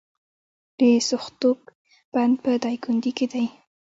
د سوختوک بند په دایکنډي کې دی